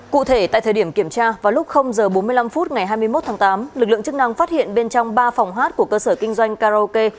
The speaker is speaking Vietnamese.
cụ thể tại thời điểm kiểm tra vào lúc h bốn mươi năm phút ngày hai mươi một tháng tám lực lượng chức năng phát hiện bên trong ba phòng hát của cơ sở kinh doanh karaoke